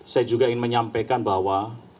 saya juga ingin menyampaikan bahwa